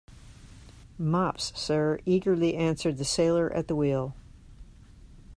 Mops, sir, eagerly answered the sailor at the wheel.